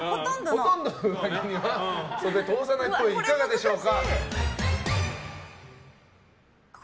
ほとんどの上着は袖を通さないっぽいいかがでしょうか？